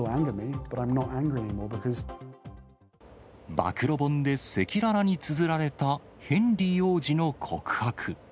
暴露本で赤裸々につづられたヘンリー王子の告白。